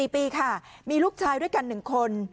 ๔ปีค่ะมีลูกชายด้วยกัน๑คน